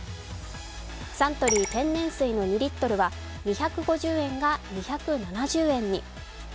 サントリー天然水の２リットルは２５０円が２７０円に。